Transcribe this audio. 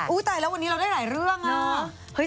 ตายแล้ววันนี้เราได้หลายเรื่องอ่ะ